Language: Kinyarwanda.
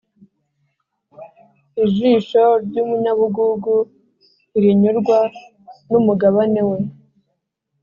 Ijisho ry’umunyabugugu ntirinyurwa n’umugabane we,